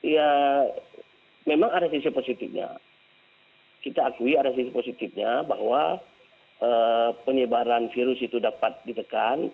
ya memang ada sisi positifnya kita akui ada sisi positifnya bahwa penyebaran virus itu dapat ditekan